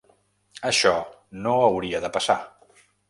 Això no hauria de passar.